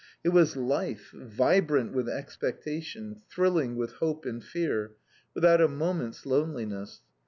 It was life, vibrant with expectation, thrilling with hope and fear, without a moment's loneliness.